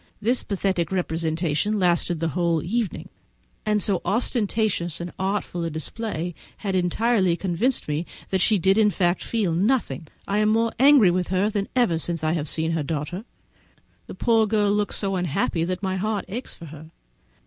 This pathetic representation lasted the whole evening, and so ostentatious and artful a display has entirely convinced me that she did in fact feel nothing. I am more angry with her than ever since I have seen her daughter; the poor girl looks so unhappy that my heart aches for her.